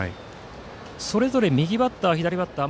それぞれ右バッター、左バッター。